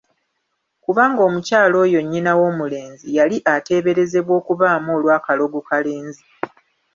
Kubanga omukyala oyo nnyina w'omulenzi yali ateeberezebwa okubaamu olwakalogo kalenzi!